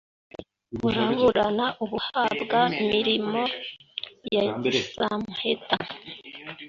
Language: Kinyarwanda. buraburana u buha bwa miririmo ya gisabamheta.